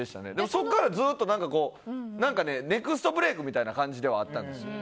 そこからずっとネクストブレークみたいな感じではあったんですよ。